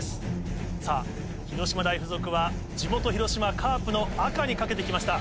広島大附属は地元広島カープの赤にかけて来ました。